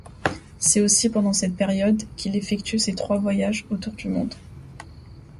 C'est aussi pendant cette période qu'il effectue ses trois voyages autour du monde.